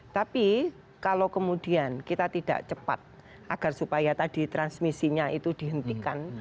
tapi kalau kemudian kita tidak cepat agar supaya tadi transmisinya itu dihentikan